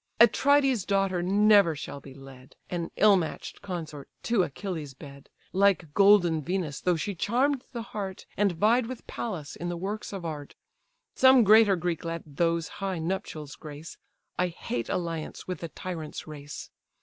Atrides' daughter never shall be led (An ill match'd consort) to Achilles' bed; Like golden Venus though she charm'd the heart, And vied with Pallas in the works of art; Some greater Greek let those high nuptials grace, I hate alliance with a tyrant's race.